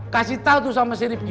kasih tahu tuh sama si ripki